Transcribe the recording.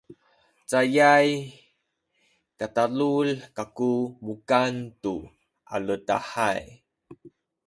cayay katalul kaku mukan tu aledahay